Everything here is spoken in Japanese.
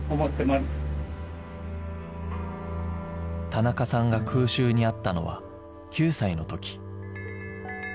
田中さんが空襲に遭ったのは９歳の時